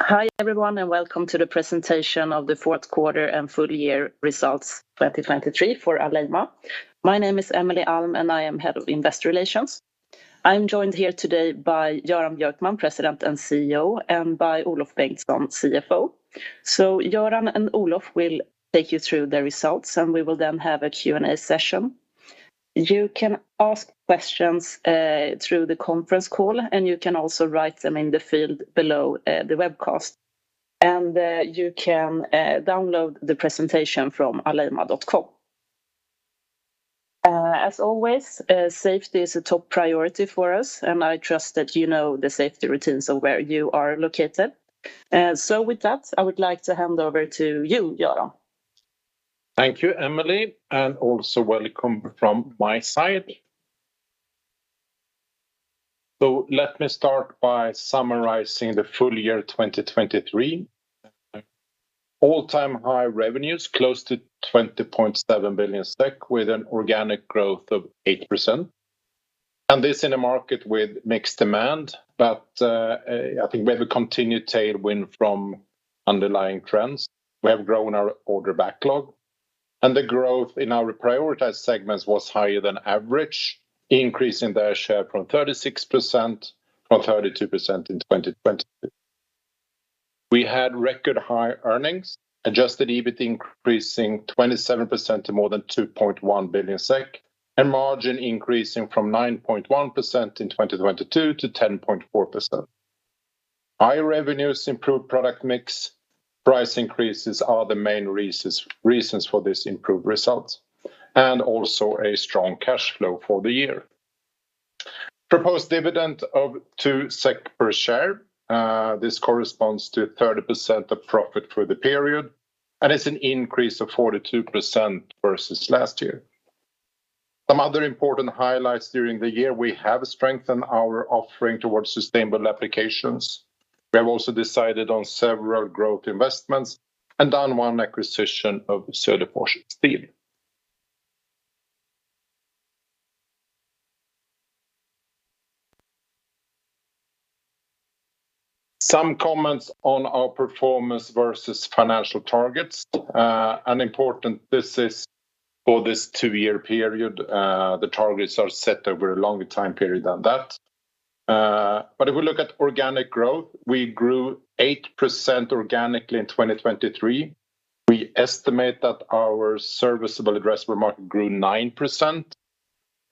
Hi, everyone, and welcome to the presentation of the fourth quarter and full year results, 2023 for Alleima. My name is Emelie Alm, and I am Head of Investor Relations. I'm joined here today by Göran Björkman, President and CEO, and by Olof Bengtsson, CFO. So Göran and Olof will take you through the results, and we will then have a Q&A session. You can ask questions through the conference call, and you can also write them in the field below the webcast. You can download the presentation from alleima.com. As always, safety is a top priority for us, and I trust that you know the safety routines of where you are located. So with that, I would like to hand over to you, Göran. Thank you, Emelie, and also welcome from my side. So let me start by summarizing the full year, 2023. All-time high revenues, close to 20.7 billion SEK, with an organic growth of 8%, and this in a market with mixed demand. But, I think we have a continued tailwind from underlying trends. We have grown our order backlog, and the growth in our prioritized segments was higher than average, increasing their share from 36% from 32% in 2020. We had record high earnings, Adjusted EBIT increasing 27% to more than 2.1 billion SEK, and margin increasing from 9.1% in 2022 to 10.4%. High revenues, improved product mix, price increases are the main reasons for this improved results, and also a strong cash flow for the year. Proposed dividend of 2 SEK per share. This corresponds to 30% of profit for the period, and it's an increase of 42% versus last year. Some other important highlights during the year, we have strengthened our offering towards sustainable applications. We have also decided on several growth investments and done one acquisition of Söderfors Steel. Some comments on our performance versus financial targets. Important, this is for this two-year period. The targets are set over a longer time period than that. But if we look at organic growth, we grew 8% organically in 2023. We estimate that our serviceable addressable market grew 9%.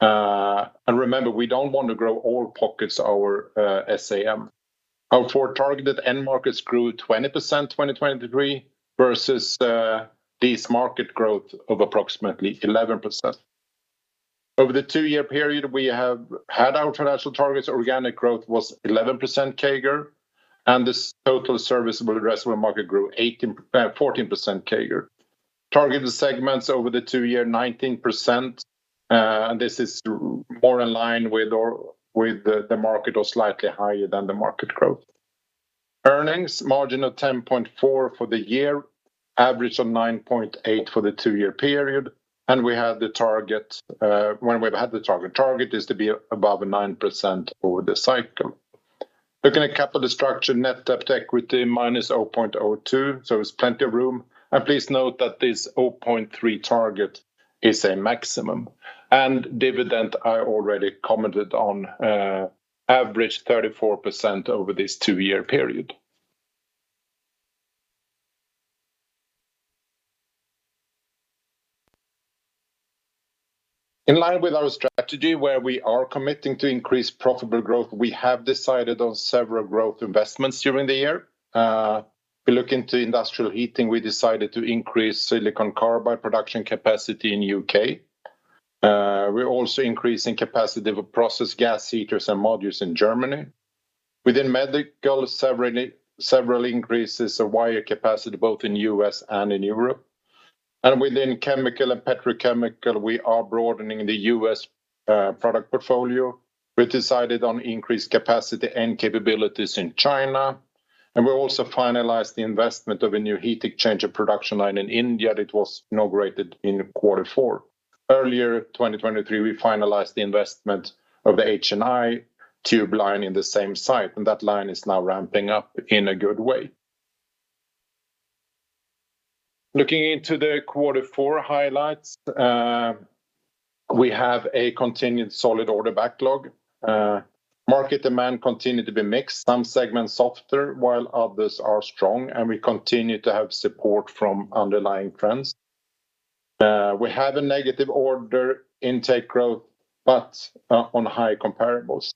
And remember, we don't want to grow all pockets our SAM. Our four targeted end markets grew 20% in 2023 versus this market growth of approximately 11%. Over the two-year period, we have had our financial targets. Organic growth was 11% CAGR, and this total serviceable addressable market grew 18, 14% CAGR. Targeted segments over the two-year, 19%, and this is more in line with our, with the, the market or slightly higher than the market growth. Earnings, margin of 10.4 for the year, average of 9.8 for the two-year period, and we had the target, when we've had the target, target is to be above 9% over the cycle. Looking at capital structure, net debt to equity, -0.02, so there's plenty of room. And please note that this 0.3 target is a maximum. And dividend, I already commented on, average 34% over this two-year period. In line with our strategy, where we are committing to increase profitable growth, we have decided on several growth investments during the year. We look into industrial heating. We decided to increase silicon carbide production capacity in the U.K. We're also increasing capacity of a process gas heaters and modules in Germany. Within medical, several increases of wire capacity, both in the U.S. and in Europe. Within chemical and petrochemical, we are broadening the U.S. product portfolio. We decided on increased capacity and capabilities in China, and we also finalized the investment of a new heat exchanger production line in India. It was inaugurated in quarter four. Earlier, 2023, we finalized the investment of the H&I Tube line in the same site, and that line is now ramping up in a good way. Looking into the quarter four highlights, we have a continued solid order backlog. Market demand continued to be mixed, some segments softer, while others are strong, and we continue to have support from underlying trends. We have a negative order intake growth, but on high comparables.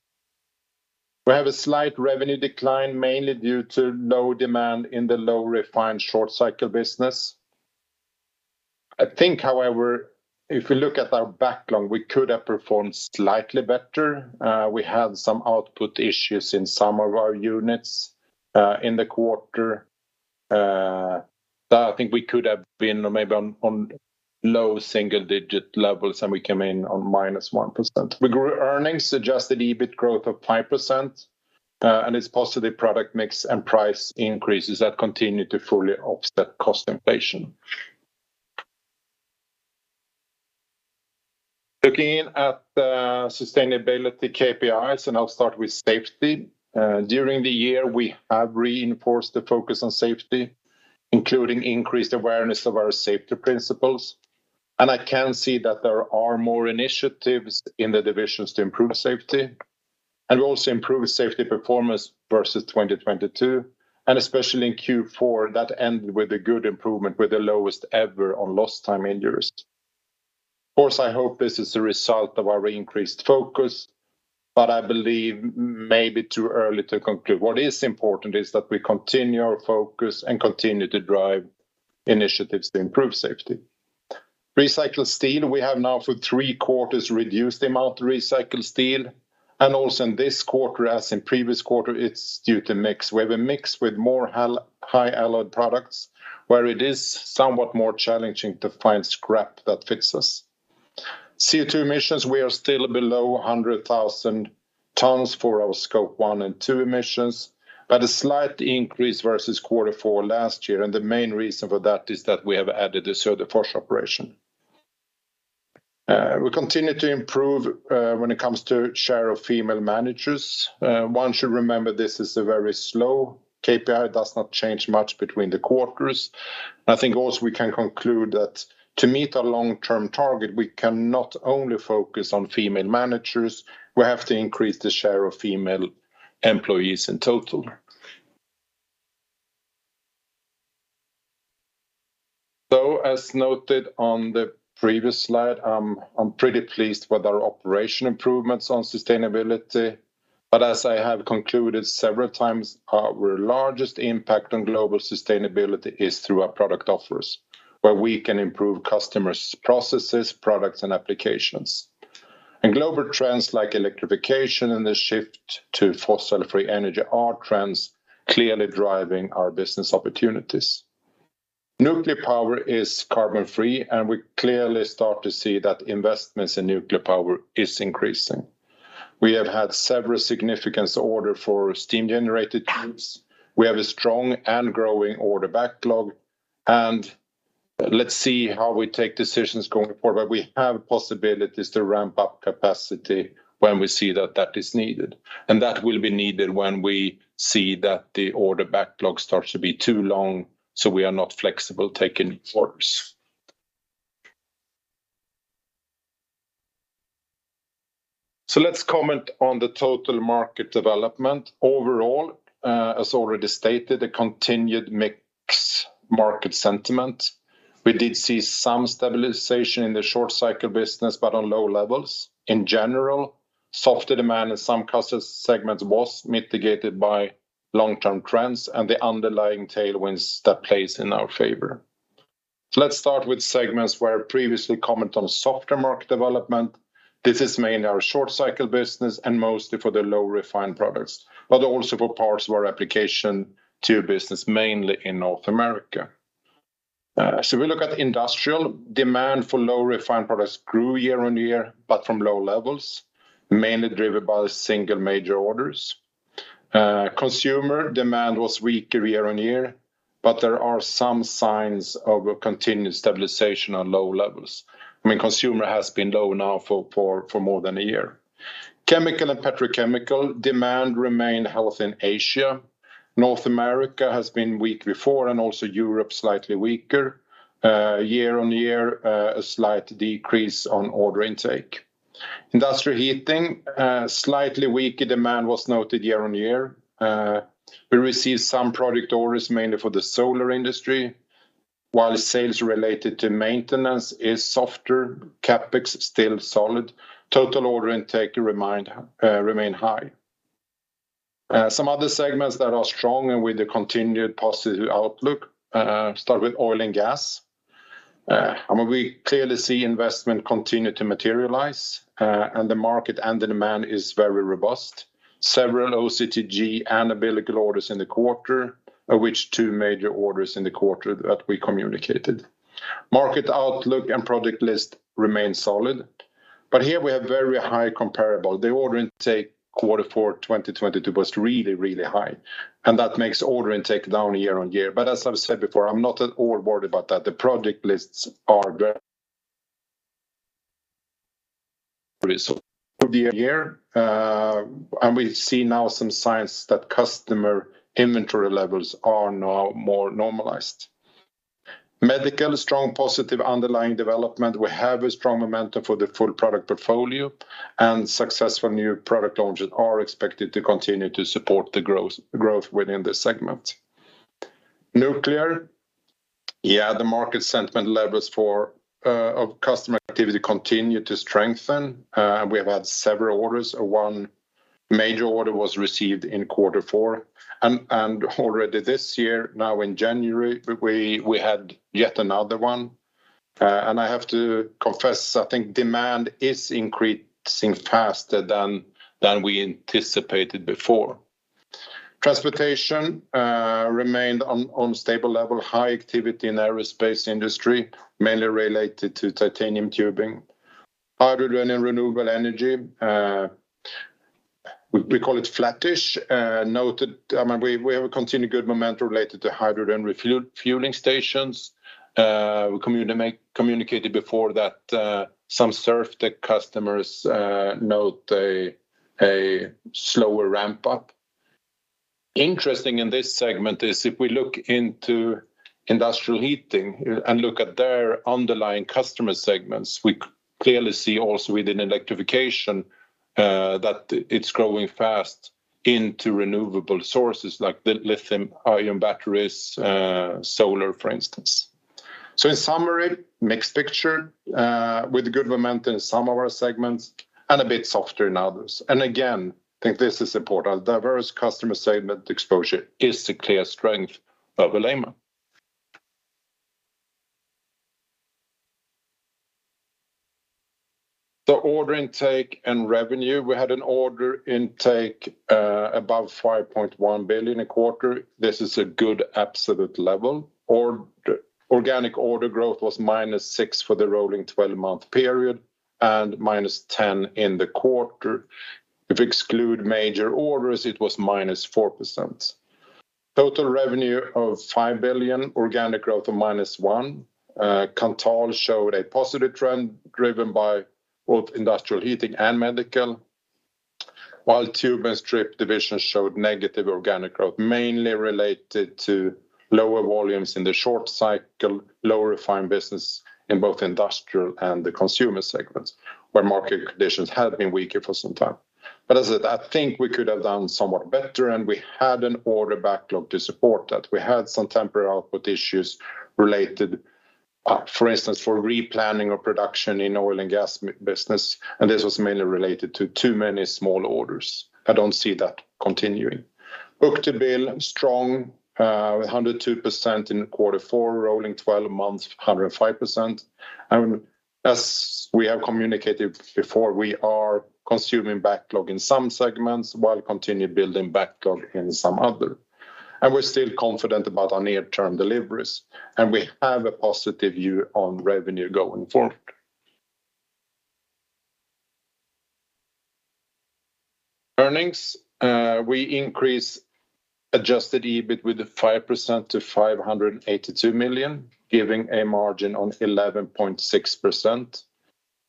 We have a slight revenue decline, mainly due to low demand in the low-refined, short-cycle business. I think, however, if we look at our backlog, we could have performed slightly better. We had some output issues in some of our units in the quarter that I think we could have been maybe on low single-digit levels, and we came in on -1%. We grew earnings, Adjusted EBIT growth of 5%, and it's positive product mix and price increases that continue to fully offset cost inflation. Looking in at the sustainability KPIs, and I'll start with safety. During the year, we have reinforced the focus on safety, including increased awareness of our safety principles. I can see that there are more initiatives in the divisions to improve safety, and also improve safety performance versus 2022, and especially in Q4, that ended with a good improvement, with the lowest ever on Lost Time Injuries. Of course, I hope this is a result of our increased focus, but I believe maybe too early to conclude. What is important is that we continue our focus and continue to drive initiatives to improve safety. Recycled steel, we have now for three quarters reduced the amount of recycled steel, and also in this quarter, as in previous quarter, it's due to mix. We have a mix with more all-high alloyed products, where it is somewhat more challenging to find scrap that fits us. CO₂ emissions, we are still below 100,000 tons for our Scope 1 and 2 emissions, but a slight increase versus quarter four last year, and the main reason for that is that we have added a third forge operation. We continue to improve, when it comes to share of female managers. One should remember, this is a very slow KPI, it does not change much between the quarters. I think also we can conclude that to meet our long-term target, we cannot only focus on female managers, we have to increase the share of female employees in total. So as noted on the previous slide, I'm pretty pleased with our operation improvements on sustainability, but as I have concluded several times, our largest impact on global sustainability is through our product offers, where we can improve customers' processes, products, and applications. And global trends like electrification and the shift to fossil-free energy are trends clearly driving our business opportunities. Nuclear power is carbon-free, and we clearly start to see that investments in nuclear power is increasing. We have had several significant order for steam-generated tubes. We have a strong and growing order backlog, and let's see how we take decisions going forward, but we have possibilities to ramp up capacity when we see that that is needed. And that will be needed when we see that the order backlog starts to be too long, so we are not flexible taking orders. So let's comment on the total market development. Overall, as already stated, a continued mixed market sentiment. We did see some stabilization in the short cycle business, but on low levels. In general, softer demand in some custom segments was mitigated by long-term trends and the underlying tailwinds that plays in our favor. Let's start with segments where I previously comment on softer market development. This is mainly our short cycle business and mostly for the low refined products, but also for parts of our application tube business, mainly in North America. So we look at industrial, demand for low refined products grew year-on-year, but from low levels, mainly driven by single major orders. Consumer demand was weaker year-on-year, but there are some signs of a continued stabilization on low levels. I mean, consumer has been low now for more than a year. Chemical and petrochemical demand remained healthy in Asia. North America has been weak before, and also Europe, slightly weaker year-on-year, a slight decrease on order intake. Industrial heating, slightly weaker demand was noted year-on-year. We received some product orders, mainly for the solar industry, while sales related to maintenance is softer, CapEx still solid. Total order intake remain high. Some other segments that are strong and with a continued positive outlook, start with oil and gas. I mean, we clearly see investment continue to materialize, and the market and the demand is very robust. Several OCTG and umbilical orders in the quarter, of which two major orders in the quarter that we communicated. Market outlook and project list remain solid, but here we have very high comparable. The order intake quarter four 2022 was really, really high, and that makes order intake down year-on-year. But as I've said before, I'm not at all worried about that. The project lists are very pretty for the year, and we see now some signs that customer inventory levels are now more normalized. Medical, strong, positive, underlying development. We have a strong momentum for the full product portfolio, and successful new product launches are expected to continue to support the growth, growth within this segment. Nuclear, yeah, the market sentiment levels for of customer activity continue to strengthen, and we have had several orders, one major order was received in quarter four. And already this year, now in January, we had yet another one. And I have to confess, I think demand is increasing faster than we anticipated before. Transportation remained on stable level, high activity in aerospace industry, mainly related to titanium tubing. Hydrogen and renewable energy. We call it flattish, noted. I mean, we have a continued good momentum related to hydrogen refueling stations. We communicated before that some surf tech customers note a slower ramp up. Interesting in this segment is if we look into industrial heating and look at their underlying customer segments, we clearly see also within electrification that it's growing fast into renewable sources like the lithium-ion batteries, solar, for instance. So in summary, mixed picture with good momentum in some of our segments and a bit softer in others. And again, I think this is important. Our diverse customer segment exposure is the clear strength of Alleima. The order intake and revenue. We had an order intake above 5.1 billion a quarter. This is a good absolute level. Organic order growth was -6% for the rolling twelve-month period and -10% in the quarter. If exclude major orders, it was -4%. Total revenue of 5 billion, organic growth of -1%. Kanthal showed a positive trend, driven by both industrial heating and medical, while Tube and Strip division showed negative organic growth, mainly related to lower volumes in the short cycle, lower refined business in both industrial and the consumer segments, where market conditions have been weaker for some time. But as I think we could have done somewhat better, and we had an order backlog to support that. We had some temporary output issues related, for instance, for replanning of production in oil and gas business, and this was mainly related to too many small orders. I don't see that continuing. Book to bill strong, 102% in quarter four, rolling twelve months, 105%. And as we have communicated before, we are consuming backlog in some segments, while continue building backlog in some other. And we're still confident about our near-term deliveries, and we have a positive view on revenue going forward. Earnings, we increase adjusted EBIT with the 5% to 582 million, giving a margin on 11.6%.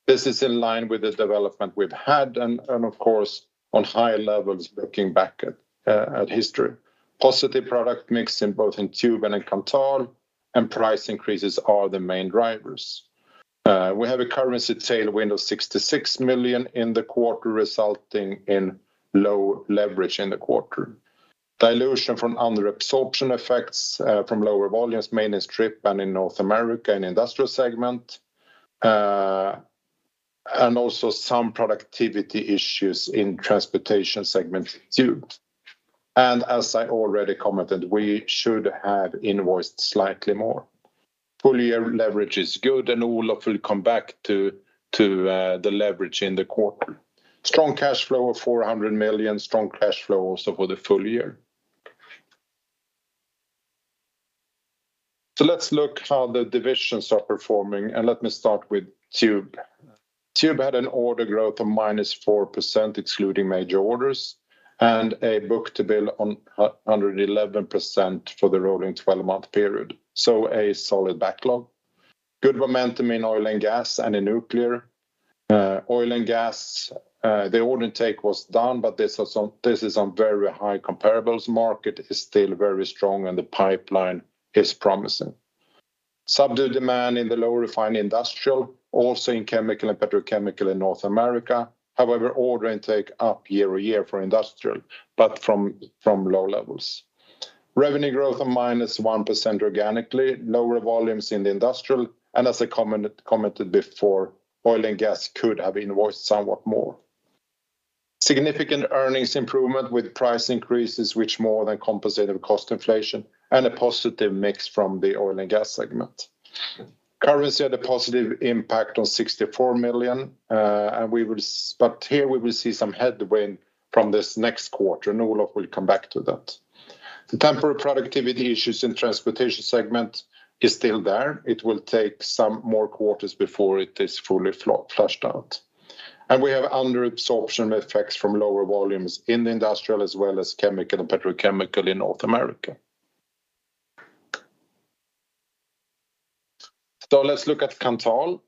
This is in line with the development we've had, and, and of course, on higher levels, looking back at history. Positive product mix in both Tube and Kanthal, and price increases are the main drivers. We have a currency tailwind of 66 million in the quarter, resulting in low leverage in the quarter. Dilution from under absorption effects, from lower volumes, mainly Strip and in North America, in industrial segment, and also some productivity issues in transportation segment, Tube. As I already commented, we should have invoiced slightly more. Full year leverage is good, and Olof will come back to the leverage in the quarter. Strong cash flow of 400 million, strong cash flow also for the full year. So let's look how the divisions are performing, and let me start with Tube. Tube had an order growth of -4%, excluding major orders, and a book to bill on 111% for the rolling twelve-month period. So a solid backlog. Good momentum in oil and gas and in nuclear. Oil and gas, the order intake was down, but this is on very high comparables. Market is still very strong, and the pipeline is promising. Subdued demand in the lower refined industrial, also in chemical and petrochemical in North America. However, order intake up year-over-year for industrial, but from low levels. Revenue growth of -1% organically, lower volumes in the industrial, and as I commented before, oil and gas could have invoiced somewhat more. Significant earnings improvement with price increases, which more than compensated cost inflation and a positive mix from the oil and gas segment. Currency had a positive impact on 64 million, and we will but here we will see some headwind from this next quarter, and Olof will come back to that. The temporary productivity issues in transportation segment is still there. It will take some more quarters before it is fully flushed out. And we have under absorption effects from lower volumes in the industrial, as well as chemical and petrochemical in North America. So let's look at Kanthal.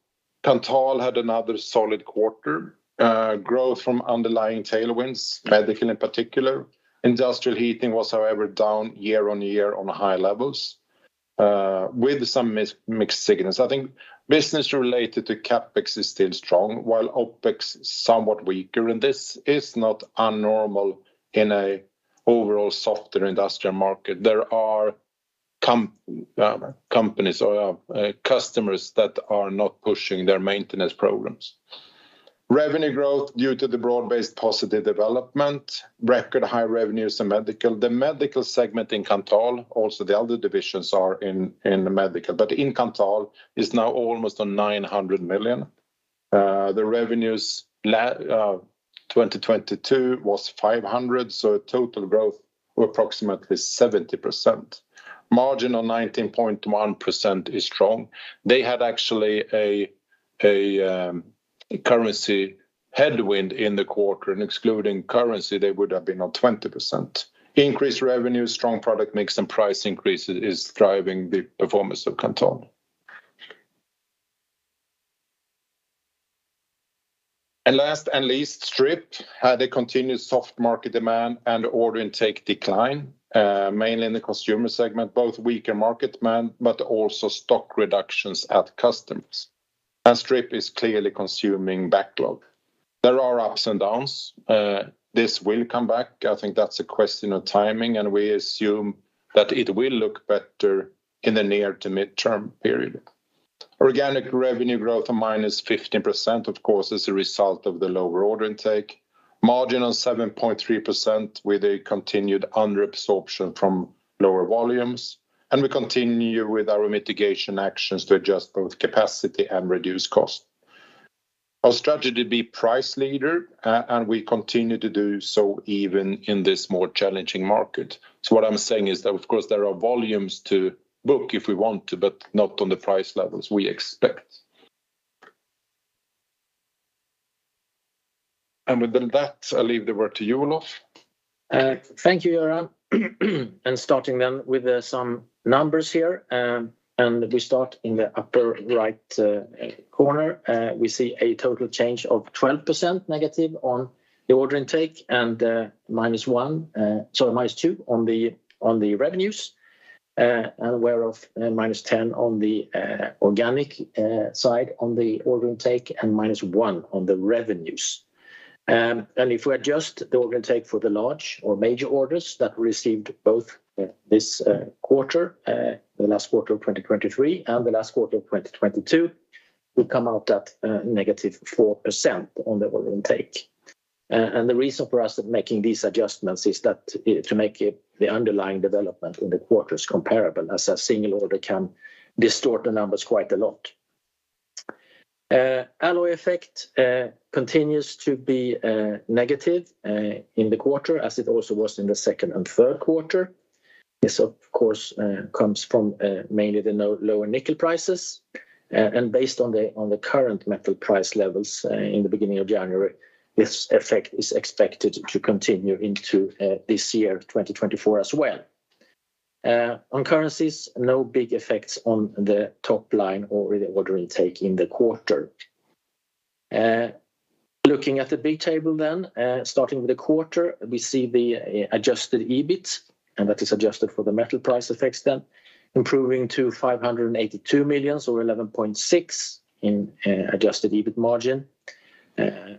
Kanthal had another solid quarter, growth from underlying tailwinds, medical in particular. Industrial heating was, however, down year-over-year on high levels, with some mixed signals. I think business related to CapEx is still strong, while OpEx is somewhat weaker, and this is not unnormal in a overall softer industrial market. There are companies or customers that are not pushing their maintenance programs. Revenue growth due to the broad-based positive development, record high revenues in medical. The medical segment in Kanthal, also the other divisions are in, in the medical, but in Kanthal, is now almost 900 million. The revenues in 2022 was 500 million, so total growth approximately 70%. Margin on 19.1% is strong. They had actually a currency headwind in the quarter, and excluding currency, they would have been on 20%. Increased revenue, strong product mix, and price increase is driving the performance of Kanthal. And last but not least, Strip had a continued soft market demand and order intake decline, mainly in the consumer segment, both weaker market demand, but also stock reductions at customers. And Strip is clearly consuming backlog. There are ups and downs, this will come back. I think that's a question of timing, and we assume that it will look better in the near to midterm period. Organic revenue growth of -15%, of course, is a result of the lower order intake. Margin on 7.3% with a continued under absorption from lower volumes, and we continue with our mitigation actions to adjust both capacity and reduce cost. Our strategy to be price leader, and we continue to do so even in this more challenging market. So what I'm saying is that, of course, there are volumes to book if we want to, but not on the price levels we expect. And with that, I'll leave the word to you, Olof. Thank you, Göran. Starting then with some numbers here, and we start in the upper right corner. We see a total change of -12% on the order intake and minus one. Sorry, minus two on the revenues, and we're off minus 10 on the organic side, on the order intake, and minus one on the revenues. And if we adjust the order intake for the large or major orders that received both this quarter, the last quarter of 2023 and the last quarter of 2022, we come out at negative 4% on the order intake. The reason for us making these adjustments is that to make the underlying development in the quarters comparable, as a single order can distort the numbers quite a lot. The alloy effect continues to be negative in the quarter, as it also was in the second and third quarter. This, of course, comes from mainly the lower nickel prices, and based on the current metal price levels in the beginning of January, this effect is expected to continue into this year, 2024, as well. On currencies, no big effects on the top line or the order intake in the quarter. Looking at the big table then, starting with the quarter, we see the adjusted EBIT, and that is adjusted for the metal price effects then, improving to 582 million or 11.6% adjusted EBIT margin. An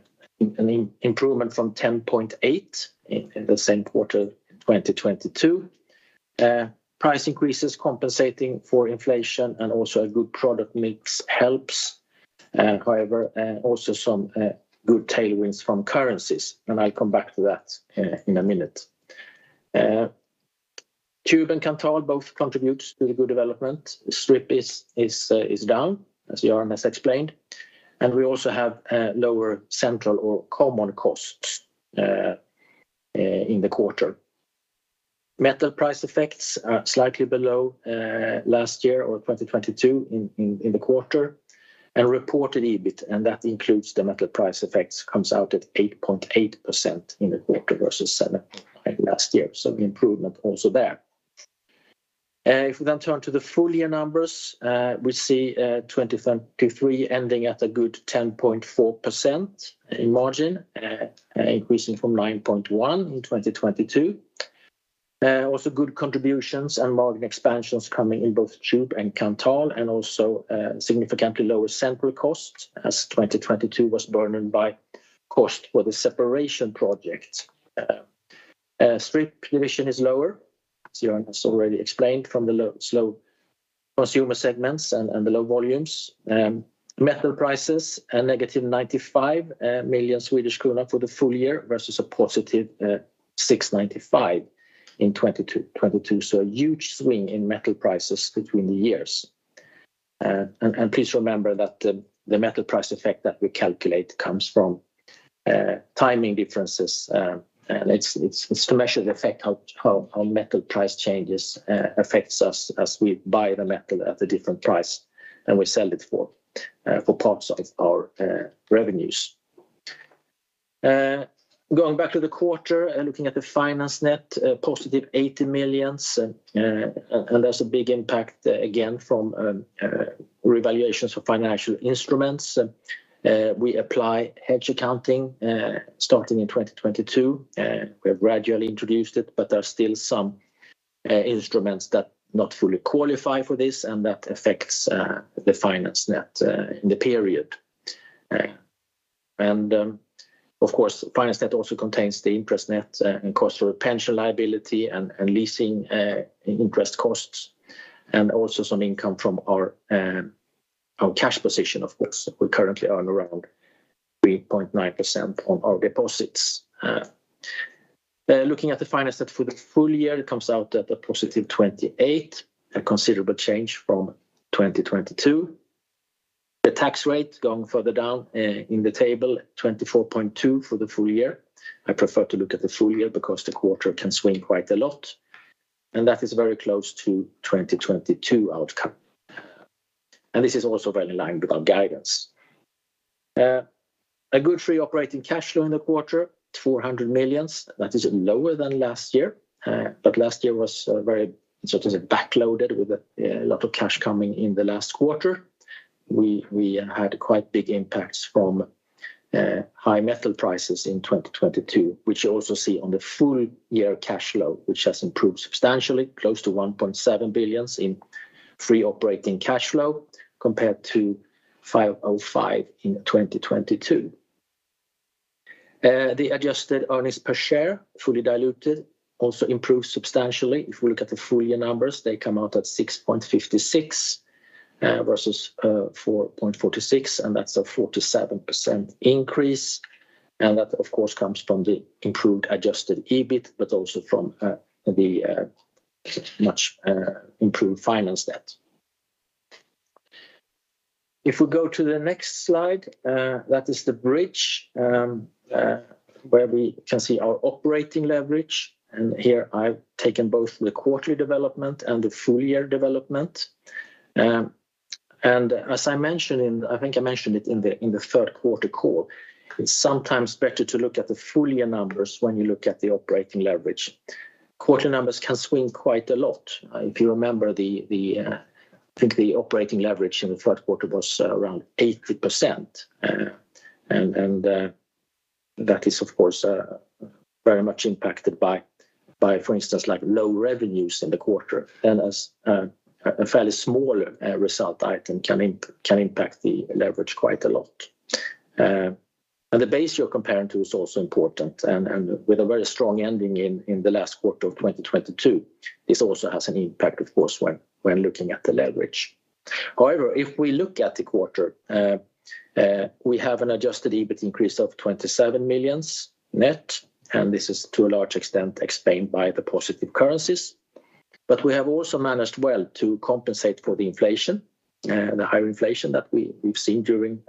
improvement from 10.8% in the same quarter in 2022. Price increases compensating for inflation and also a good product mix helps, however, also some good tailwinds from currencies, and I'll come back to that in a minute. Tube and Kanthal both contributes to the good development. Strip is down, as Göran has explained, and we also have lower central or common costs in the quarter. Metal price effects are slightly below last year or 2022 in the quarter. Reported EBIT, and that includes the metal price effects, comes out at 8.8% in the quarter versus 7%, last year. So improvement also there. If we then turn to the full year numbers, we see 2023 ending at a good 10.4% in margin, increasing from 9.1% in 2022. Also good contributions and margin expansions coming in both Tube and Kanthal, and also significantly lower central costs, as 2022 was burdened by cost for the separation project. Strip division is lower, as Göran has already explained, from the slow consumer segments and the low volumes. Metal prices, a -95 million Swedish krona for the full year, versus a +695 million in 2022. So a huge swing in metal prices between the years. And please remember that the metal price effect that we calculate comes from timing differences, and it's to measure the effect how metal price changes affects us as we buy the metal at a different price, and we sell it for parts of our revenues. Going back to the quarter, looking at the finance net, positive 80 million, and that's a big impact, again, from revaluations of financial instruments. We apply hedge accounting starting in 2022. We have gradually introduced it, but there are still some instruments that not fully qualify for this, and that affects the finance net in the period. Of course, finance net also contains the interest net, and cost of pension liability and leasing interest costs, and also some income from our cash position, of course. We currently earn around 3.9% on our deposits. Looking at the finance net for the full year, it comes out at a +28 million, a considerable change from 2022. The tax rate, going further down in the table, 24.2% for the full year. I prefer to look at the full year because the quarter can swing quite a lot. That is very close to 2022 outcome. This is also very in line with our guidance. A good free operating cash flow in the quarter, 400 million. That is lower than last year, but last year was very, sort of backloaded with a lot of cash coming in the last quarter. We had quite big impacts from high metal prices in 2022, which you also see on the full year cash flow, which has improved substantially, close to 1.7 billion in free operating cash flow, compared to 505 million in 2022. The adjusted earnings per share, fully diluted, also improved substantially. If we look at the full year numbers, they come out at 6.56, versus 4.46, and that's a 47% increase. And that, of course, comes from the improved adjusted EBIT, but also from the much improved finance debt. If we go to the next slide, that is the bridge, where we can see our operating leverage. And here I've taken both the quarterly development and the full year development. And as I mentioned, I think I mentioned it in the third quarter call, it's sometimes better to look at the full year numbers when you look at the operating leverage. Quarterly numbers can swing quite a lot. If you remember, I think the operating leverage in the third quarter was around 80%. And that is, of course, very much impacted by, for instance, like low revenues in the quarter. And as a fairly small result item can impact the leverage quite a lot. And the base you're comparing to is also important, and, and with a very strong ending in, in the last quarter of 2022, this also has an impact, of course, when, when looking at the leverage. However, if we look at the quarter, we have an adjusted EBIT increase of 27 million net, and this is to a large extent explained by the positive currencies. But we have also managed well to compensate for the inflation, the higher inflation that we- we've seen during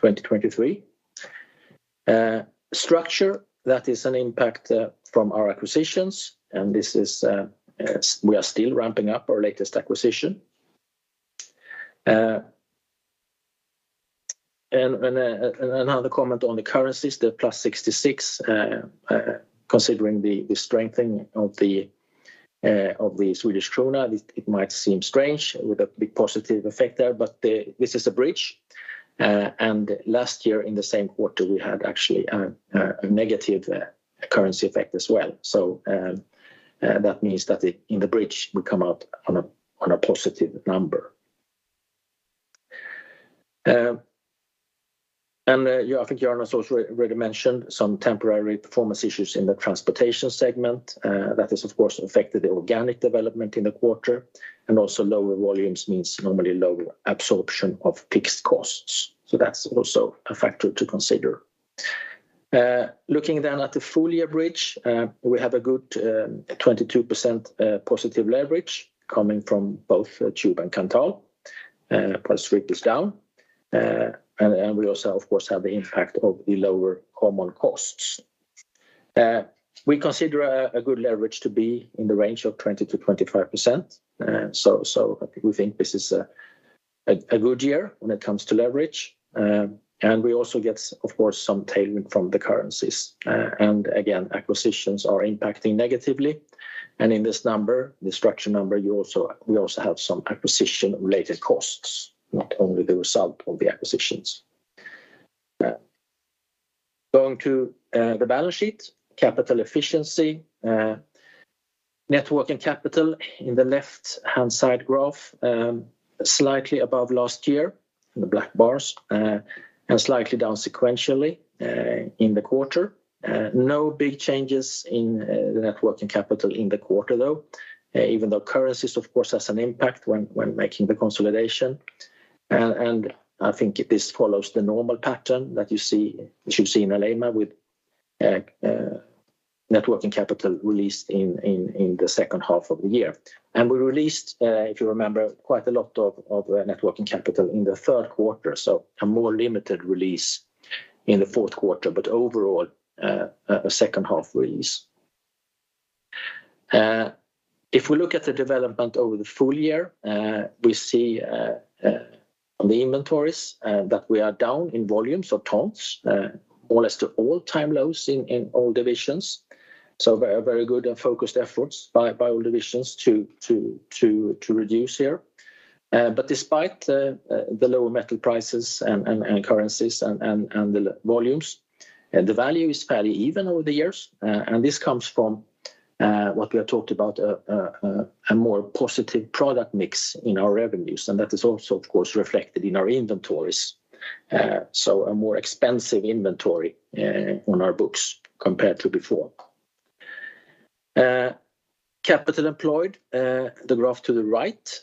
2023. Structure, that is an impact from our acquisitions, and this is, we are still ramping up our latest acquisition. Another comment on the currencies, the SEK+66, considering the strengthening of the Swedish krona, it might seem strange with a big positive effect there, but the. This is a bridge. And last year, in the same quarter, we had actually a negative currency effect as well. So that means that the, in the bridge, we come out on a positive number. And yeah, I think Johannes also already mentioned some temporary performance issues in the transportation segment. That has, of course, affected the organic development in the quarter, and also lower volumes means normally lower absorption of fixed costs. That's also a factor to consider. Looking then at the full-year bridge, we have a good 22% positive leverage coming from both Tube and Kanthal, plus right this down. And we also, of course, have the impact of the lower common costs. We consider a good leverage to be in the range of 20%-25%. So we think this is a good year when it comes to leverage. And we also get, of course, some tailwind from the currencies. And again, acquisitions are impacting negatively. And in this number, the structure number, you also, we also have some acquisition-related costs, not only the result of the acquisitions. Going to the balance sheet, capital efficiency, net working capital in the left-hand side graph, slightly above last year, in the black bars, and slightly down sequentially, in the quarter. No big changes in the net working capital in the quarter, though, even though currencies, of course, has an impact when making the consolidation. And I think this follows the normal pattern that you see- you should see in Alleima with net working capital released in the second half of the year. And we released, if you remember, quite a lot of net working capital in the third quarter, so a more limited release in the fourth quarter, but overall, a second-half release. If we look at the development over the full year, we see on the inventories that we are down in volumes or tons almost to all-time lows in all divisions. So very, very good and focused efforts by all divisions to reduce here. But despite the lower metal prices and currencies and the lower volumes, the value is fairly even over the years. And this comes from what we have talked about, a more positive product mix in our revenues, and that is also, of course, reflected in our inventories. So a more expensive inventory on our books compared to before. Capital employed, the graph to the right,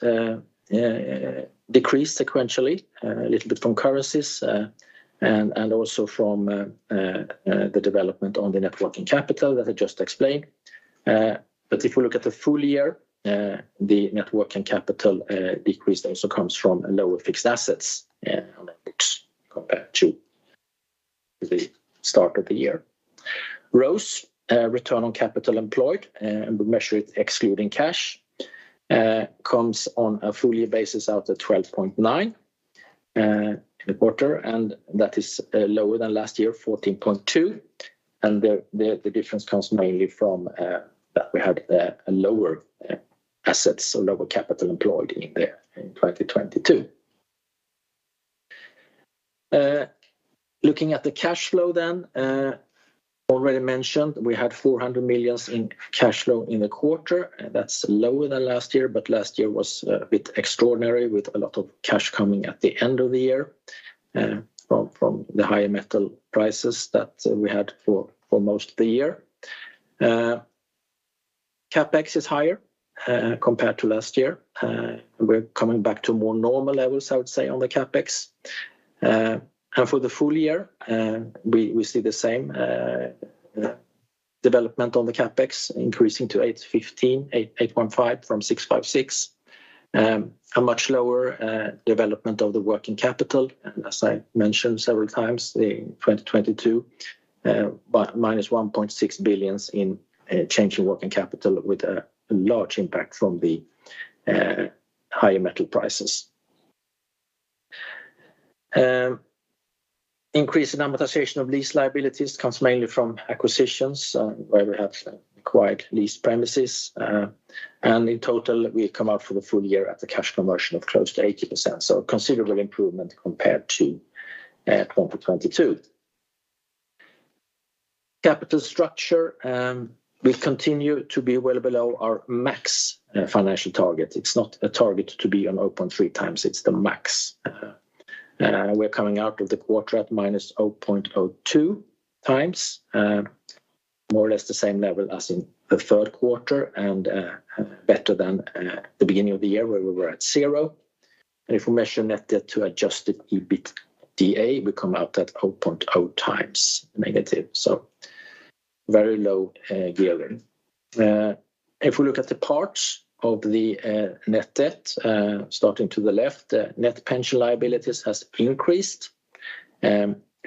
decreased sequentially a little bit from currencies, and also from the development on the net working capital that I just explained. But if we look at the full year, the net working capital decrease also comes from lower fixed assets on the books compared to the start of the year. ROCE, return on capital employed, and we measure it excluding cash, comes on a full year basis out at 12.9 in the quarter, and that is lower than last year, 14.2. And the difference comes mainly from that we had a lower assets, so lower capital employed in there in 2022. Looking at the cash flow then, already mentioned, we had 400 million in cash flow in the quarter, and that's lower than last year, but last year was a bit extraordinary, with a lot of cash coming at the end of the year from the higher metal prices that we had for most of the year. CapEx is higher compared to last year. We're coming back to more normal levels, I would say, on the CapEx. And for the full year, we see the same development on the CapEx, increasing to 815 million-850 million from 656 million. A much lower development of the working capital, and as I mentioned several times, in 2022, but -1.6 billion in change in working capital, with a large impact from the higher metal prices. Increase in amortization of lease liabilities comes mainly from acquisitions, where we have acquired lease premises. In total, we come out for the full year at the cash conversion of close to 80%, so a considerable improvement compared to 2022. Capital structure, we continue to be well below our max financial target. It's not a target to be on open 3x, it's the max. We're coming out of the quarter at -0.02x, more or less the same level as in the third quarter, and better than the beginning of the year, where we were at zero. If we measure net debt to adjusted EBITDA, we come out at 0.0x negative, so very low gearing. If we look at the parts of the net debt, starting to the left, net pension liabilities has increased.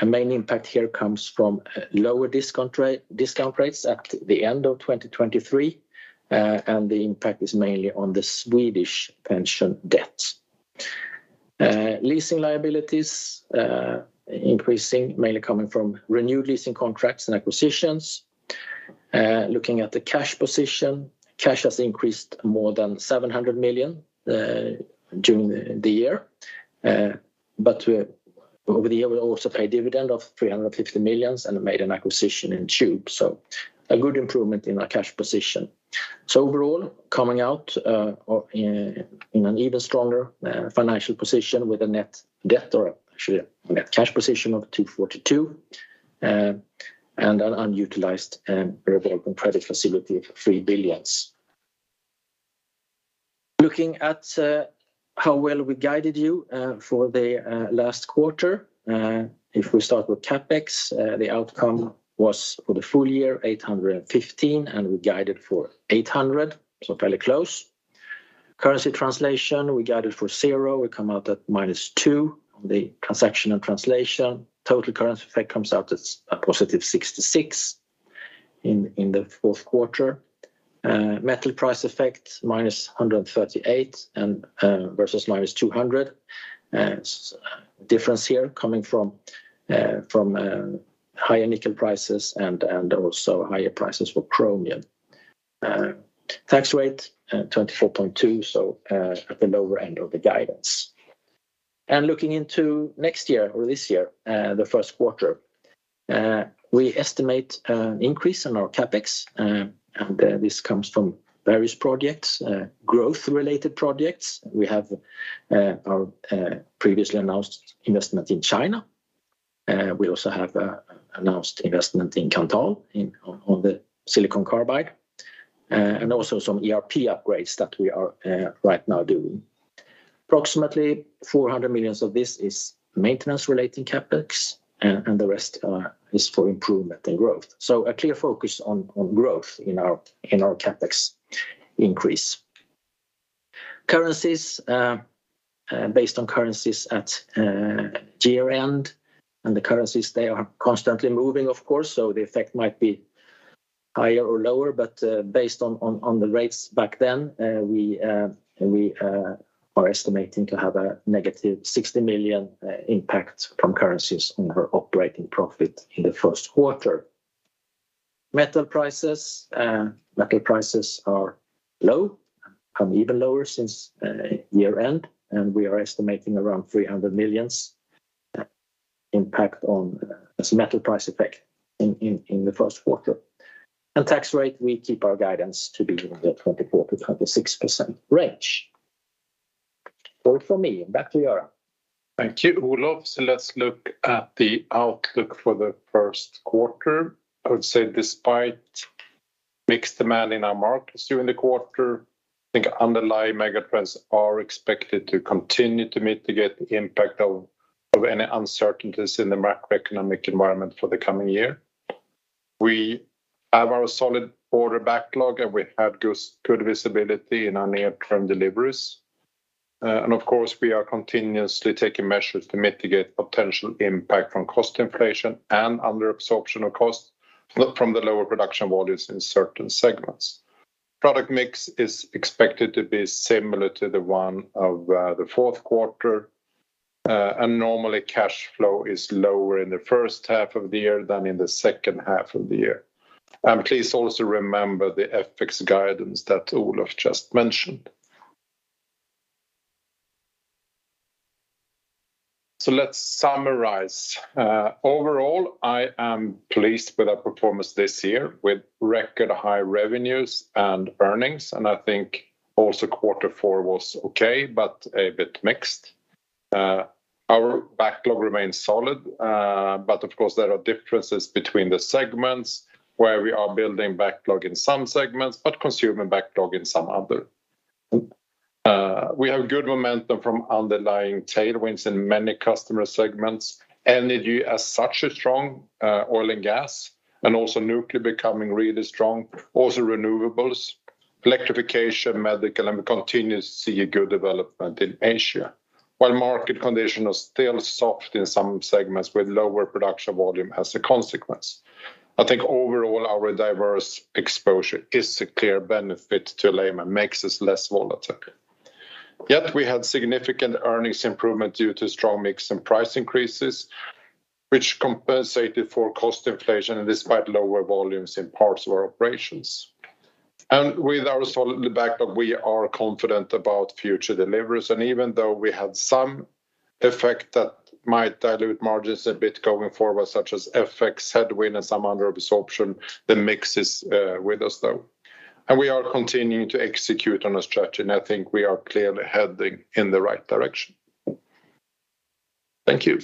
A main impact here comes from lower discount rate, discount rates at the end of 2023, and the impact is mainly on the Swedish pension debt. Leasing liabilities increasing, mainly coming from renewed leasing contracts and acquisitions. Looking at the cash position, cash has increased more than 700 million during the year. But over the year, we also paid dividend of 350 million and made an acquisition in Tube, so a good improvement in our cash position. So overall, coming out in an even stronger financial position with a net debt or actually a net cash position of 242 million, and an unutilized revolving credit facility of 3 billion. Looking at how well we guided you for the last quarter, if we start with CapEx, the outcome was, for the full year, 815 million, and we guided for 800 million, so fairly close. Currency translation, we guided for 0, we come out at -2 on the transaction and translation. Total currency effect comes out as +66 in the fourth quarter. Metal price effect, -138 million, and versus -200 million. Difference here coming from higher nickel prices and also higher prices for chromium. Tax rate, 24.2%, so at the lower end of the guidance. Looking into next year or this year, the first quarter, we estimate an increase in our CapEx, and this comes from various projects, growth-related projects. We have our previously announced investment in China. We also have announced investment in Kanthal on the silicon carbide, and also some ERP upgrades that we are right now doing. Approximately 400 million of this is maintenance-related CapEx, and the rest is for improvement and growth. So a clear focus on growth in our CapEx increase. Currencies, based on currencies at year-end, and the currencies, they are constantly moving, of course, so the effect might be higher or lower. But, based on the rates back then, we are estimating to have a -60 million impact from currencies on our operating profit in the first quarter. Metal prices, metal prices are low, and even lower since year-end, and we are estimating around 300 million impact on as a metal price effect in the first quarter. And tax rate, we keep our guidance to be in the 24%-26% range. All from me. Back to you, Göran. Thank you, Olof. So let's look at the outlook for the first quarter. I would say despite mixed demand in our markets during the quarter, I think underlying megatrends are expected to continue to mitigate the impact of any uncertainties in the macroeconomic environment for the coming year. We have our solid order backlog, and we have good, good visibility in our near-term deliveries. And of course, we are continuously taking measures to mitigate potential impact from cost inflation and under absorption of cost from the lower production volumes in certain segments. Product mix is expected to be similar to the one of the fourth quarter. And normally, cash flow is lower in the first half of the year than in the second half of the year. Please also remember the FX guidance that Olof just mentioned. So let's summarize. Overall, I am pleased with our performance this year, with record high revenues and earnings, and I think also quarter four was okay, but a bit mixed. Our backlog remains solid, but of course, there are differences between the segments, where we are building backlog in some segments, but consuming backlog in some other. We have good momentum from underlying tailwinds in many customer segments. Energy has such a strong oil and gas, and also nuclear becoming really strong, also renewables, electrification, medical, and we continue to see a good development in Asia. While market conditions are still soft in some segments with lower production volume as a consequence, I think overall, our diverse exposure is a clear benefit to Alleima, makes us less volatile. Yet we had significant earnings improvement due to strong mix and price increases, which compensated for cost inflation and despite lower volumes in parts of our operations. And with our solid backlog, we are confident about future deliveries, and even though we had some effect that might dilute margins a bit going forward, such as FX headwind and some other absorption, the mix is, with us, though. And we are continuing to execute on our strategy, and I think we are clearly heading in the right direction. Thank you.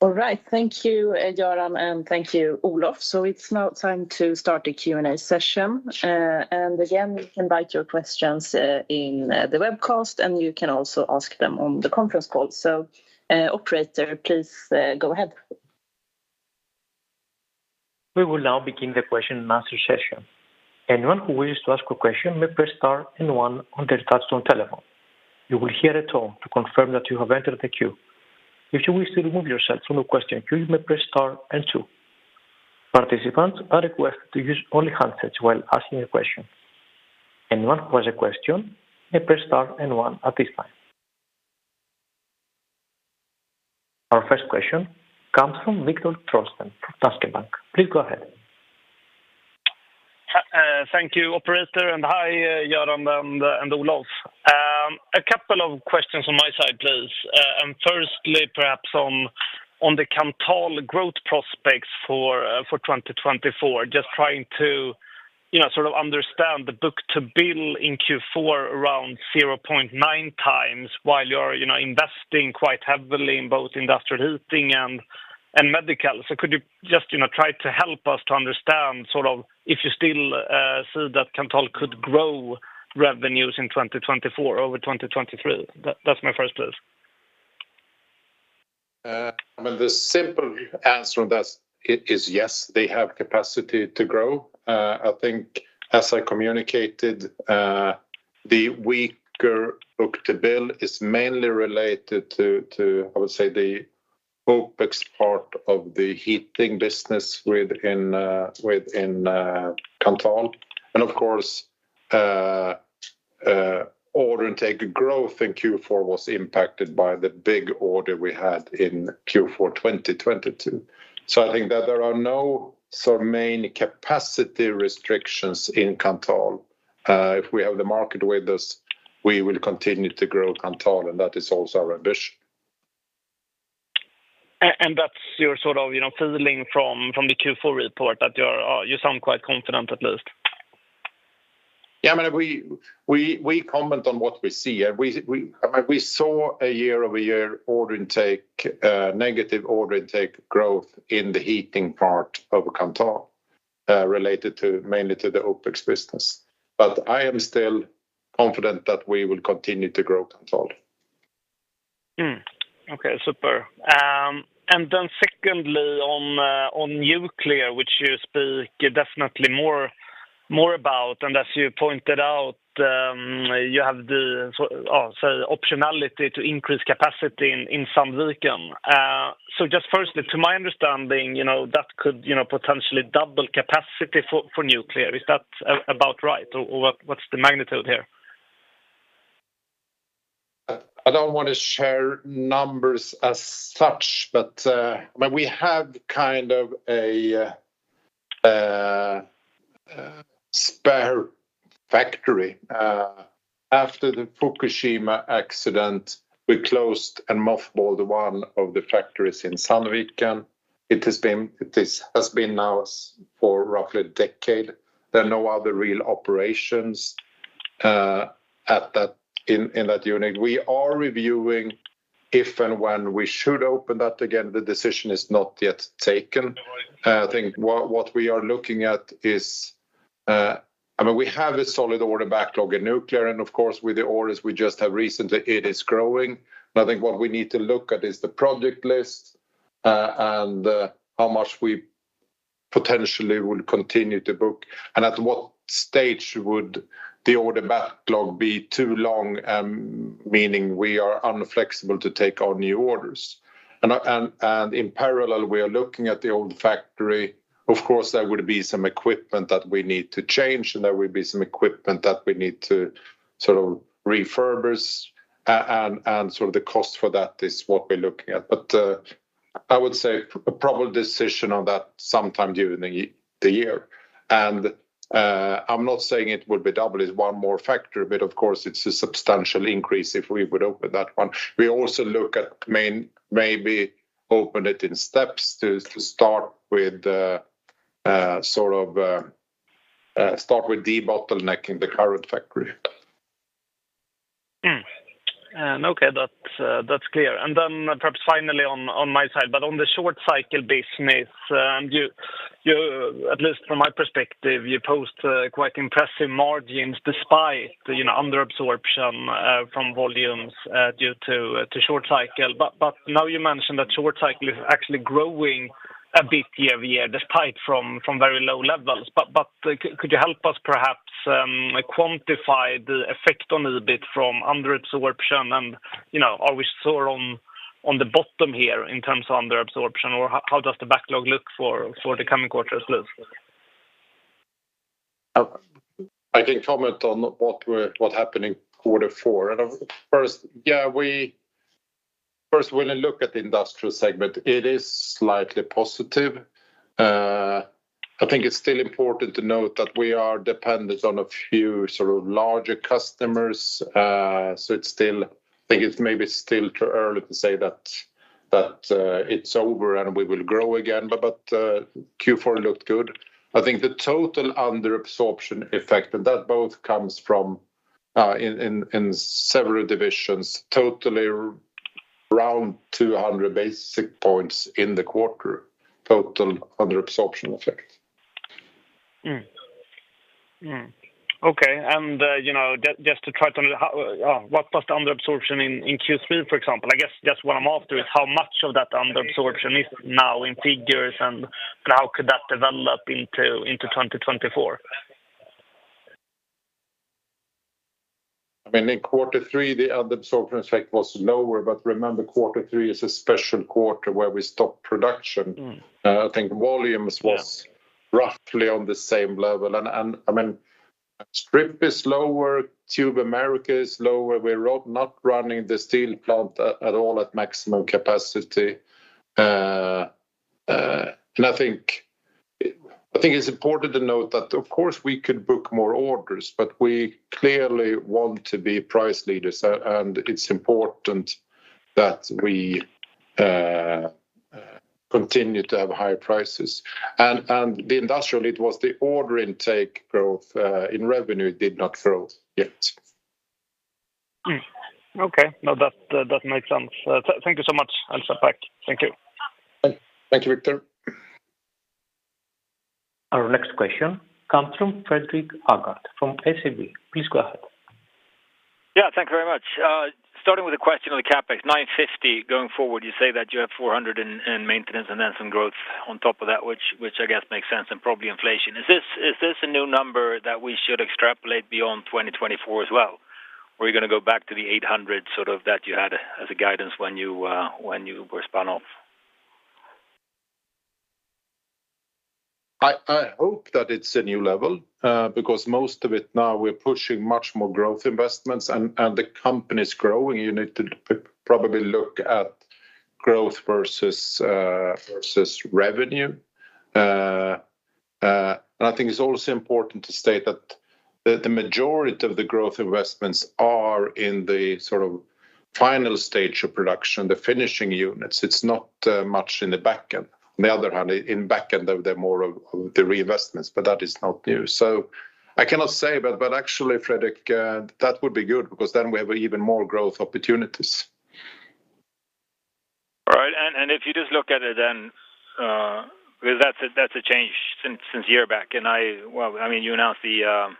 All right. Thank you, Göran, and thank you, Olof. So it's now time to start the Q&A session. And again, you can write your questions in the webcast, and you can also ask them on the conference call. So, operator, please, go ahead. We will now begin the question and answer session. Anyone who wishes to ask a question may press star and one on their touchtone telephone. You will hear a tone to confirm that you have entered the queue. If you wish to remove yourself from the question, you may press star and two. Participants are requested to use only handsets while asking a question. Anyone who has a question, may press star and one at this time. Our first question comes from Victor Trollsten from Danske Bank. Please go ahead. Thank you, operator, and hi, Göran and Olof. A couple of questions on my side, please. Firstly, perhaps on the Kanthal growth prospects for 2024. Just trying to, you know, sort of understand the book-to-bill in Q4 around 0.9x while you're, you know, investing quite heavily in both industrial heating and medical. So could you just, you know, try to help us to understand, sort of, if you still see that Kanthal could grow revenues in 2024 over 2023? That's my first, please. But the simple answer on that is yes, they have capacity to grow. I think as I communicated, the weaker book-to-bill is mainly related to, I would say, the OpEx part of the heating business within Kanthal. And of course, order intake growth in Q4 was impacted by the big order we had in Q4 2022. So I think that there are no sort of main capacity restrictions in Kanthal. If we have the market with us, we will continue to grow Kanthal, and that is also our ambition. And that's your sort of, you know, feeling from the Q4 report, that you are, you sound quite confident, at least. Yeah, I mean, we comment on what we see, and I mean, we saw a year-over-year order intake, negative order intake growth in the heating part of Kanthal, related mainly to the OpEx business. But I am still confident that we will continue to grow Kanthal. Okay, super. And then secondly, on nuclear, which you speak definitely more about, and as you pointed out, you have optionality to increase capacity in Sandviken. So just firstly, to my understanding, you know, that could, you know, potentially double capacity for nuclear. Is that about right, or what's the magnitude here? I don't want to share numbers as such, but, I mean, we have kind of a spare factory. After the Fukushima accident, we closed and mothballed one of the factories in Sandviken. It has been—this has been now for roughly a decade. There are no other real operations at that, in that unit. We are reviewing if and when we should open that again, the decision is not yet taken. I think what we are looking at is. I mean, we have a solid order backlog in nuclear, and of course, with the orders we just have recently, it is growing. But I think what we need to look at is the project list, and how much we potentially will continue to book, and at what stage would the order backlog be too long, meaning we are inflexible to take on new orders. And in parallel, we are looking at the old factory. Of course, there would be some equipment that we need to change, and there will be some equipment that we need to sort of refurbish, and sort of the cost for that is what we're looking at. But I would say a proper decision on that sometime during the year. And I'm not saying it would be double, it's one more factor, but of course it's a substantial increase if we would open that one. We also look at maybe open it in steps, to start with, sort of, start with debottlenecking the current factory. And okay, that's clear. And then perhaps finally on my side, but on the short cycle business, at least from my perspective, you post quite impressive margins despite the, you know, under absorption from volumes due to short cycle. But could you help us perhaps quantify the effect on it a bit from under absorption? And, you know, are we sort of on the bottom here in terms of under absorption, or how does the backlog look for the coming quarters? I can comment on what happened in quarter four. First, when I look at the industrial segment, it is slightly positive. I think it's still important to note that we are dependent on a few sort of larger customers. So it's still, I think it's maybe still too early to say that it's over and we will grow again, but Q4 looked good. I think the total under absorption effect, and that both comes from in several divisions, totally around 200 basis points in the quarter, total under absorption effect. Okay, and you know, just, just to try to understand how what was the under absorption in Q3, for example? I guess, just what I'm after is how much of that under absorption is now in figures, and how could that develop into 2024? I mean, in quarter three, the under absorption effect was lower, but remember, quarter three is a special quarter where we stopped production. Mm. I think volumes was- Yeah roughly on the same level. I mean, strip is lower, Tube America is lower. We're not running the steel plant at all at maximum capacity. I think it's important to note that, of course, we could book more orders, but we clearly want to be price leaders, and it's important that we continue to have higher prices. The industrial, it was the order intake growth in revenue, did not grow yet. Okay. No, that, that makes sense. Thank you so much, Thank you. Thank you, Victor. Our next question comes from Fredrik Agardh from SEB. Please go ahead. Yeah, thank you very much. Starting with a question on the CapEx, 950 million going forward, you say that you have 400 million in maintenance and then some growth on top of that, which I guess makes sense and probably inflation. Is this a new number that we should extrapolate beyond 2024 as well? Or are you going to go back to the 800 million, sort of, that you had as a guidance when you were spun off? I hope that it's a new level, because most of it now, we're pushing much more growth investments and the company is growing. You need to probably look at growth versus revenue. And I think it's also important to state that the majority of the growth investments are in the sort of final stage of production, the finishing units. It's not much in the back end. On the other hand, in back end, they're more of the reinvestments, but that is not new. So I cannot say, but actually, Fredrik, that would be good because then we have even more growth opportunities. All right. And if you just look at it, then, because that's a change since a year back, and I.. Well, I mean, you announced the,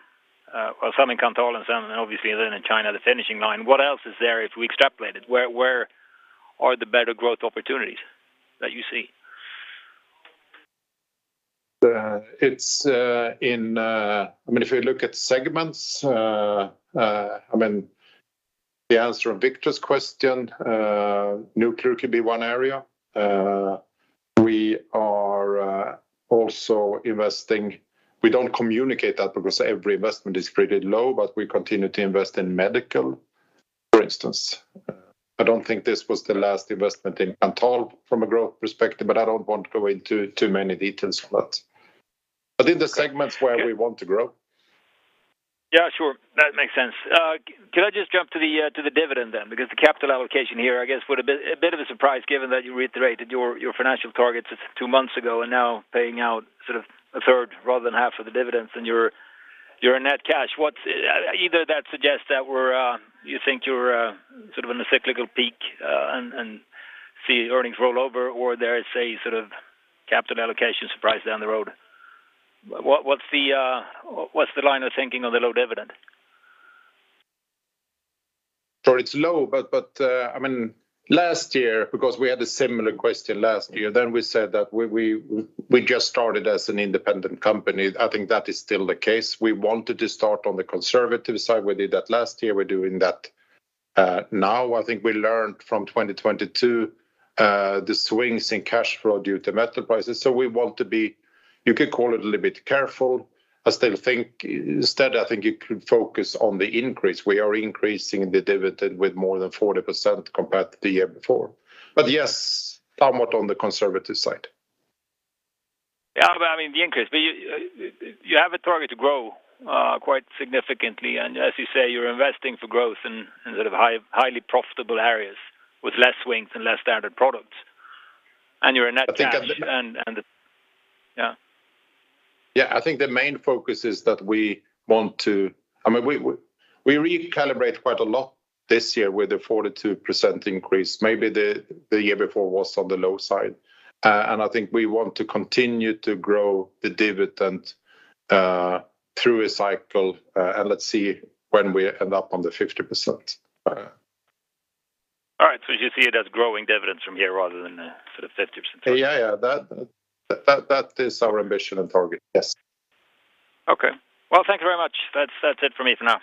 well, something Kanthal and some obviously then in China, the finishing line. What else is there if we extrapolate it? Where are the better growth opportunities that you see? It's in, I mean, if you look at segments, I mean, the answer of Victor's question, nuclear could be one area. We are also investing. We don't communicate that because every investment is pretty low, but we continue to invest in medical, for instance. I don't think this was the last investment in Kanthal from a growth perspective, but I don't want to go into too many details for that. I think the segments where we want to grow. Yeah, sure. That makes sense. Can I just jump to the dividend then? Because the capital allocation here, I guess, would be a bit of a surprise, given that you reiterated your financial targets just two months ago, and now paying out sort of a third rather than half of the dividends, and your net cash, what's either that suggests that you think you're sort of in a cyclical peak, and see earnings roll over, or there is a sort of capital allocation surprise down the road. What's the line of thinking on the low dividend? So it's low, but, I mean, last year, because we had a similar question last year, then we said that we just started as an independent company. I think that is still the case. We wanted to start on the conservative side. We did that last year, we're doing that now. I think we learned from 2022 the swings in cash flow due to metal prices. So we want to be, you could call it a little bit careful. I still think—Instead, I think you could focus on the increase. We are increasing the dividend with more than 40% compared to the year before. But yes, somewhat on the conservative side. Yeah, but I mean, the increase, but you, you have a target to grow quite significantly, and as you say, you're investing for growth in, in sort of highly profitable areas with less swings and less standard products. And you're a net cash- I think- Yeah. Yeah, I think the main focus is that we want to. I mean, we recalibrate quite a lot this year with the 42% increase. Maybe the year before was on the low side. And I think we want to continue to grow the dividend through a cycle, and let's see, when we end up on the 50%. All right, so you see it as growing dividends from here rather than, sort of 50%? Yeah. That is our ambition and target. Yes. Okay. Well, thank you very much. That's, that's it for me for now.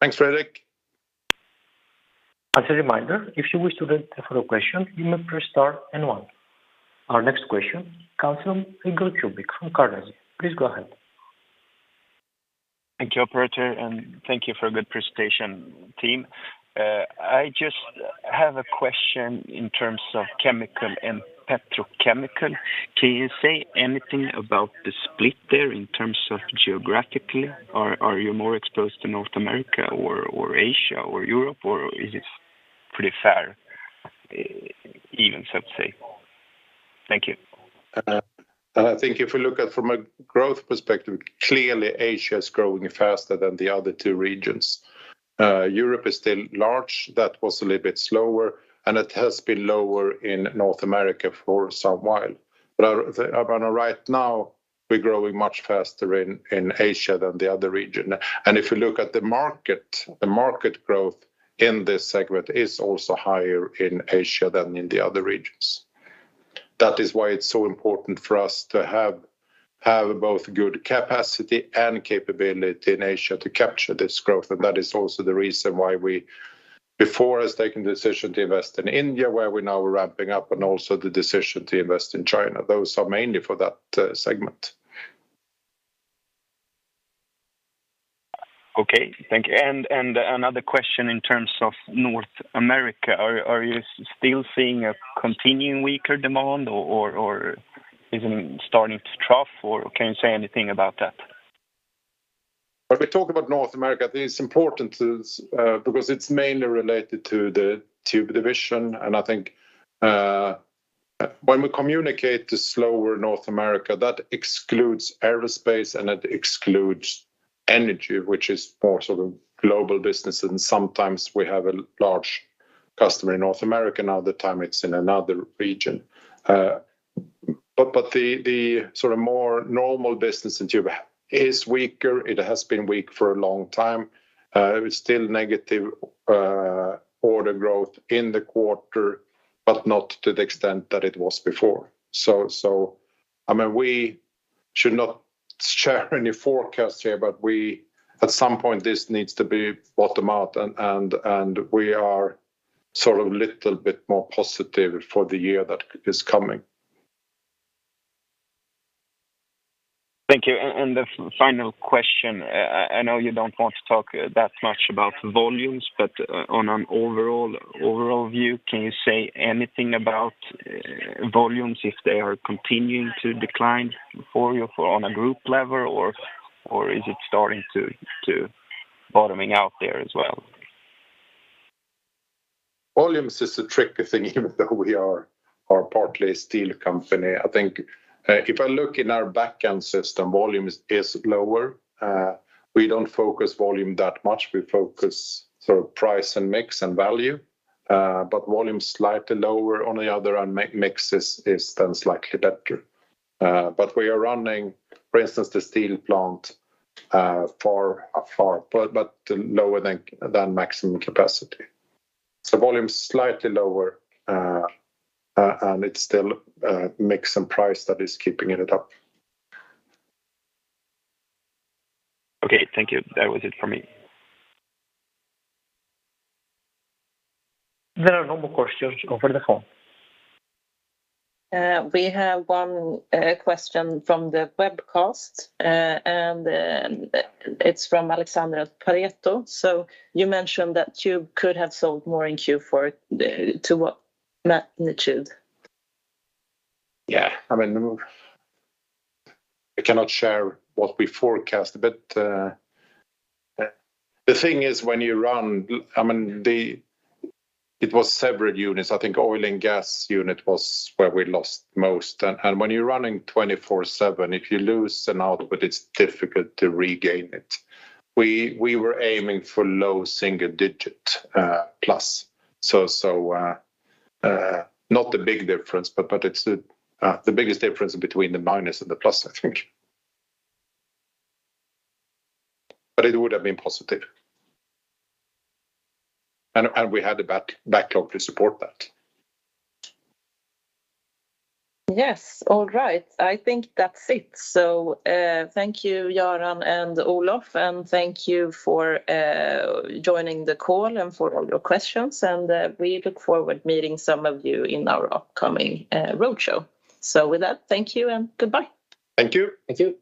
Thanks, Frederick. As a reminder, if you wish to get a follow question, you may press star and one. Our next question comes from Igor Tubic from Carnegie. Please go ahead. Thank you, operator, and thank you for a good presentation, team. I just have a question in terms of chemical and petrochemical. Can you say anything about the split there in terms of geographically? Or, are you more exposed to North America or, or Asia, or Europe, or is it pretty fair, even, so to say? Thank you. I think if we look at from a growth perspective, clearly Asia is growing faster than the other two regions. Europe is still large. That was a little bit slower, and it has been lower in North America for some while. But right now, we're growing much faster in Asia than the other region. And if you look at the market, the market growth in this segment is also higher in Asia than in the other regions. That is why it's so important for us to have both good capacity and capability in Asia to capture this growth. And that is also the reason why we, before, has taken the decision to invest in India, where we now are ramping up, and also the decision to invest in China. Those are mainly for that segment. Okay, thank you. And another question in terms of North America. Are you still seeing a continuing weaker demand or is it starting to trough, or can you say anything about that? When we talk about North America, it's important to, because it's mainly related to the tube division, and I think, when we communicate the slower North America, that excludes aerospace and it excludes energy, which is more sort of global business, and sometimes we have a large customer in North America, now the time it's in another region. But the sort of more normal business in tube is weaker. It has been weak for a long time. It's still negative order growth in the quarter, but not to the extent that it was before. So, I mean, we should not share any forecast here, but we—at some point, this needs to bottom out, and we are sort of a little bit more positive for the year that is coming. Thank you. And the final question, I know you don't want to talk that much about volumes, but on an overall view, can you say anything about volumes, if they are continuing to decline for you on a group level, or is it starting to bottoming out there as well? Volumes is a tricky thing, even though we are partly a steel company. I think, if I look in our back-end system, volumes is lower. We don't focus volume that much. We focus sort of price and mix and value, but volume is slightly lower. On the other hand, mix is then slightly better. But we are running, for instance, the steel plant far lower than maximum capacity. So volume is slightly lower, and it's still mix and price that is keeping it up. Okay, thank you. That was it for me. There are no more questions over the call. We have one question from the webcast, and it's from Alexandra Pareto. So you mentioned that you could have sold more in Q4. To what magnitude? Yeah, I mean, I cannot share what we forecast, but the thing is, when you run, I mean, it was several units. I think oil and gas unit was where we lost most. And when you're running 24/7, if you lose an output, it's difficult to regain it. We were aiming for low single digit plus, so not a big difference, but it's the biggest difference between the minus and the plus, I think. But it would have been positive. And we had the backlog to support that. Yes. All right. I think that's it. So, thank you, Göran and Olof, and thank you for joining the call and for all your questions. And, we look forward to meeting some of you in our upcoming roadshow. So with that, thank you and goodbye. Thank you. Thank you.